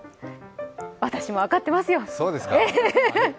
私も分かってますよ。